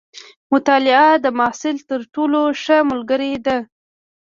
مطالعه د محصل تر ټولو ښه ملګرې ده.